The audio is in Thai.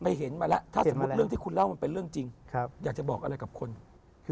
โอ้โหมันเหมือนหนัง